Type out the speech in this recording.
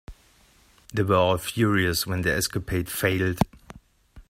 They were all furious when the escapade failed.